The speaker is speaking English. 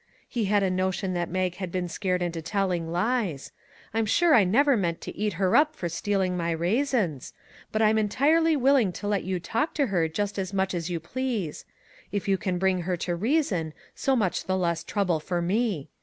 " He had a notion that Mag had been scared into telling lies. I'm sure I never meant to eat her up for stealing my raisins. But I'm entirely willing to let you talk to her just as much as you please. If you can bring her to reason, so much the less trouble for me.